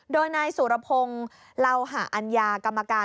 โดยนายสุรพงศ์เหล่าหาอัญญากรรมการ